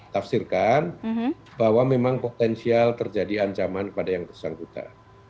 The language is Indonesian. tafsirkan bahwa memang potensial terjadi ancaman kepada yang bersangkutan